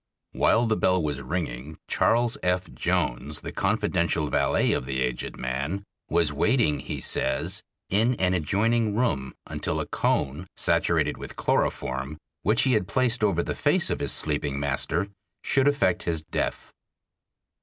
While the bell was ringing Charles F. Jones, the confidential valet of the aged man, was waiting, he says, in an adjoining room until a cone saturated with chloroform, which he had placed over the face of his sleeping master, should effect his death.